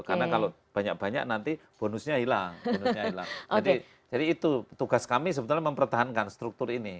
karena kalau banyak banyak nanti bonusnya hilang jadi itu tugas kami sebetulnya mempertahankan struktur ini